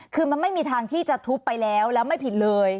คือมันไม่มีทางที่จะทุบไปแล้วแล้วไม่ผิดเลย